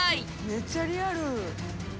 めっちゃリアル。